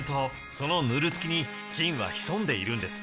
そのヌルつきに菌は潜んでいるんです。